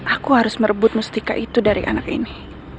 aku harus merebut mustika itu dari anak ini